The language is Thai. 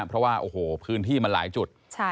เพราะว่าโอ้โหพื้นที่มันหลายจุด